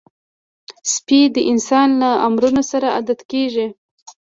سپي د انسان له امرونو سره عادت کېږي.